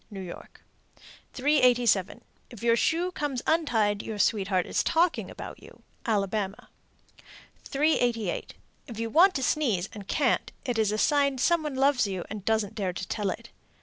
New York. 387. If your shoe comes untied, your sweetheart is talking about you. Alabama. 388. If you want to sneeze and can't, it is a sign some one loves you, and doesn't dare to tell it.